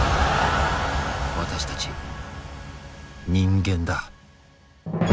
私たち人間だ。